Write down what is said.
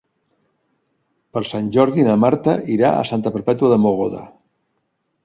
Per Sant Jordi na Marta irà a Santa Perpètua de Mogoda.